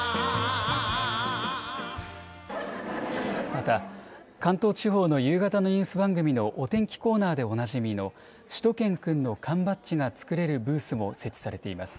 また、関東地方の夕方のニュース番組のお天気コーナーでおなじみの、しゅと犬くんの缶バッジが作れるブースも設置されています。